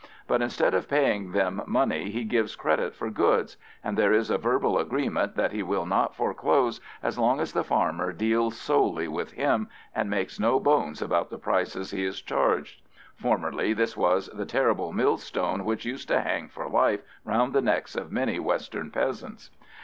But instead of paying them money he gives credit for goods, and there is a verbal agreement that he will not foreclose as long as the farmer deals solely with him and makes no bones about the prices he is charged. Formerly this was the terrible millstone which used to hang for life round the necks of many western peasants.